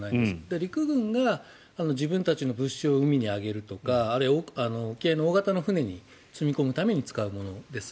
陸軍が自分たちの物資を海に上げるとかあるいは沖合の大型の船に積み込むために使うものです。